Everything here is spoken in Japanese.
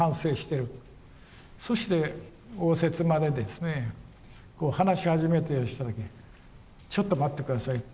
そして応接間でですねこう話し始めようとした時ちょっと待って下さい。